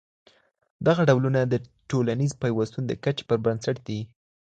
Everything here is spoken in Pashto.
دغه ډولونه د ټولنيز پيوستون د کچي پر بنسټ دي.